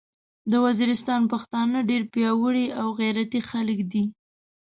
د ویزیریستان پختانه ډیر پیاوړي او غیرتي خلک دې